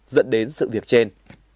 dẫn đến sự việc trên